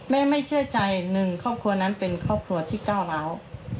ไม่เชื่อใจหนึ่งครอบครัวนั้นเป็นครอบครัวที่ก้าวร้าว